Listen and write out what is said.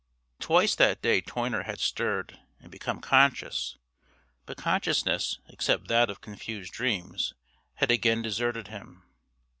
Twice that day Toyner had stirred and become conscious; but consciousness, except that of confused dreams, had again deserted him.